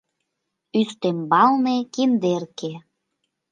Ӱстембалне киндерке.